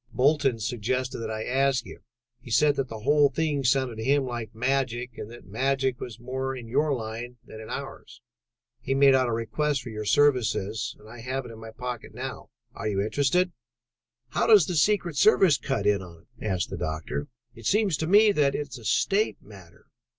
Bolton suggested that I ask you: he said that the whole thing sounded to him like magic and that magic was more in your line than in ours. He made out a request for your services and I have it in my pocket now. Are you interested?" "How does the secret service cut in on it?" asked the doctor. "It seems to me that it is a state matter.